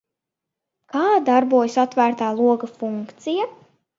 Kā darbojas Atvērtā loga funkcija?